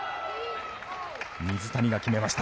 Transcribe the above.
水谷が決めました。